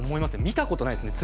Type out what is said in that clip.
見たことないですね